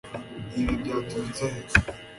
Ibi byaturutse he